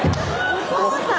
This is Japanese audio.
お父さん！